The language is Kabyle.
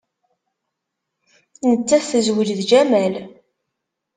Nettat tezweǧ d Jamal.